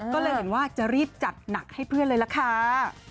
ก็เลยเห็นว่าจะรีบจัดหนักให้เพื่อนเลยล่ะค่ะ